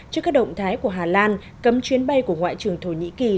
trước các động thái của hà lan cấm chuyến bay của ngoại trưởng thổ nhĩ kỳ